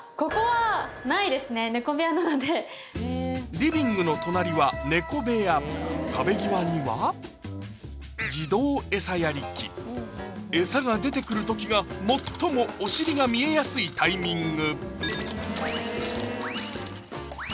リビングの隣は猫部屋壁際には餌が出てくる時が最もお尻が見えやすいタイミング